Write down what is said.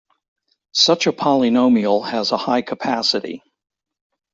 Such a polynomial has a high capacity.